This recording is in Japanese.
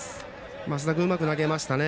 升田君うまく投げましたね。